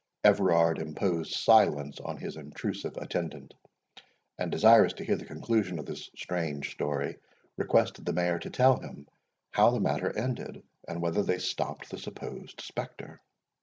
Everard imposed silence on his intrusive attendant; and, desirous to hear the conclusion of this strange story, requested the Mayor to tell him how the matter ended, and whether they stopped the supposed spectre.